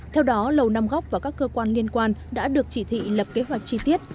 theo đó lầu nam góc và các cơ quan liên quan đã được chỉ thị lập kế hoạch chi tiết